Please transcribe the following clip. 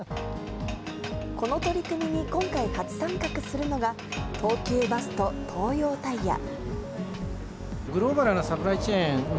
この取り組みに今回、初参画するのが東急バスとＴＯＹＯＴＩＲＥ。